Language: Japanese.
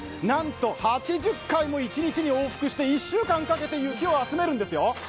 なんと８０回も一日に往復して１週間かけて雪を集めるんですよ！